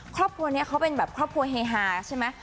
ครอบครัวนี้เขาเป็นแบบครอบครัวเฮฮาใช่ไหม